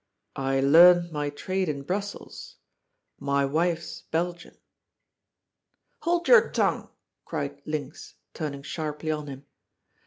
" I learnt my trade in Brussels. My wife's Belgian." "Hold your tongue," cried Linx, turning sharply on him.